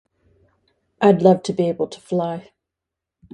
I'd love to be able to fly.